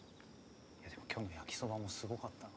いやでも今日の焼きそばもすごかったな。